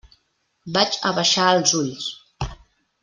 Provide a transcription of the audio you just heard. Vaig abaixar els ulls.